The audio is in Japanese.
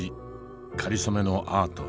かりそめのアート。